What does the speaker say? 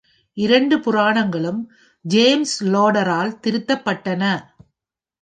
இரண்டு புராணங்களும் ஜேம்ஸ் லோடரால் திருத்தப்பட்டன.